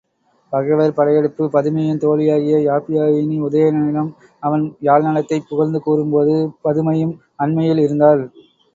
பகைவர் படையெடுப்பு பதுமையின் தோழியாகிய யாப்பியாயினி, உதயணனிடம் அவன் யாழ் நலத்தைப் புகழ்ந்து கூறும்போது பதுமையும் அண்மையில் இருந்தாள்.